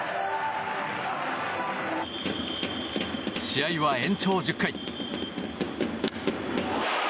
試合は延長１０回。